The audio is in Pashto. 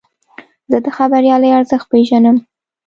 زه د خبریالۍ ارزښت پېژنم.